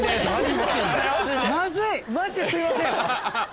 まずいマジですいません。